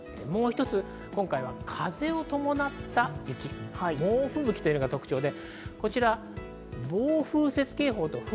もう一つ、今回は風を伴った猛吹雪というのが特徴です。